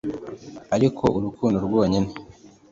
ariko urukundo rwonyine